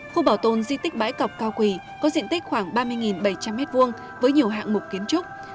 khu bảo tồn di tích bãi cọc cao quỳ có diện tích khoảng ba mươi bảy trăm linh m hai với nhiều hạng mục kiến trúc